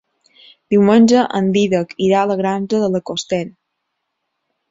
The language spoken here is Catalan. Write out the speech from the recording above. Diumenge en Dídac irà a la Granja de la Costera.